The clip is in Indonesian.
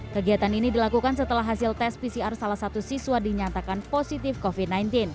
kegiatan ini dilakukan setelah hasil tes pcr salah satu siswa dinyatakan positif covid sembilan belas